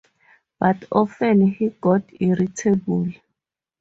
But often he got irritable.